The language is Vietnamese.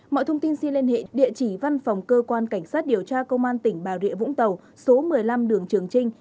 mọi thông tin xin liên hệ địa chỉ văn phòng cơ quan cảnh sát điều tra công an tỉnh bà rịa vũng tàu số một mươi năm đường trường trinh